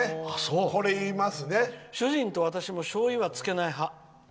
主人と私もしょうゆはつけない派。